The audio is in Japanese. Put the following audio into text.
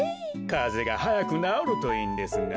かぜがはやくなおるといいんですが。